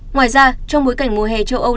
ngoài ra trong bối cảnh mùa hè châu âu